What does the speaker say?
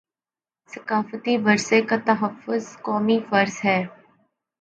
ثقافتی ورثے کا تحفظ قومی فرض ہے